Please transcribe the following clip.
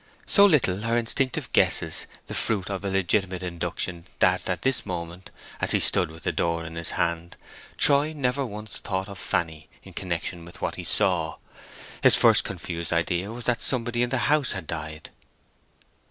So little are instinctive guesses the fruit of a legitimate induction that, at this moment, as he stood with the door in his hand, Troy never once thought of Fanny in connection with what he saw. His first confused idea was that somebody in the house had died.